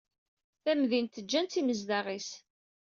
Tamdint ǧǧan-tt yimezdaɣ-is.